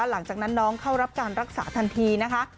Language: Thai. หลังจากนั้นน้องเข้ารับการรักษาทันทีนะคะ